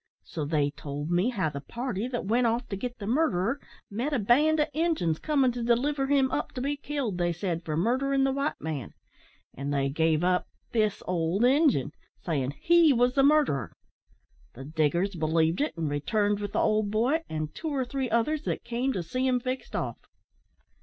So they told me how the party that went off to git the murderer met a band o' injuns comin' to deliver him up to be killed, they said, for murderin' the white man. An' they gave up this old Injun, sayin' he wos the murderer. The diggers believed it, and returned with the old boy and two or three others that came to see him fixed off.